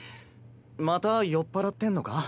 また酔っ払ってんのか？